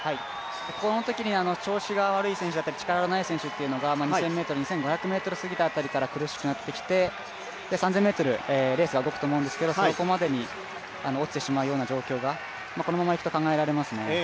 このときに調子が悪い選手、力のない選手というのが２０００ｍ、２５００ｍ過ぎた辺りから苦しくなってきて３０００ｍ、レースが動くと思うんですけど、そこまでに落ちてしまうような状況がこのままいくと考えられますね。